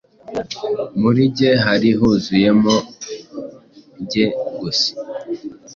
Muri jye hari huzuye mo “Jye” gusa